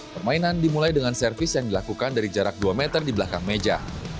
permainan dimulai dengan servis yang dilakukan dari jarak dua meter di belakang meja